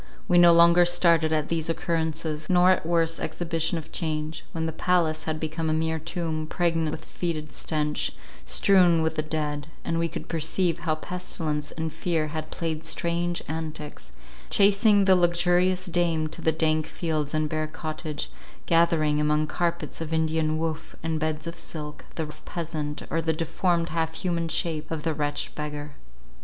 We no longer started at these occurrences, nor at worse exhibition of change—when the palace had become a mere tomb, pregnant with fetid stench, strewn with the dead; and we could perceive how pestilence and fear had played strange antics, chasing the luxurious dame to the dank fields and bare cottage; gathering, among carpets of Indian woof, and beds of silk, the rough peasant, or the deformed half human shape of the wretched beggar.